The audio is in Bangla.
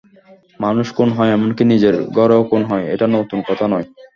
মানুষ খুন হয়, এমনকি নিজের ঘরেও খুন হয়, এটা নতুন কথা নয়।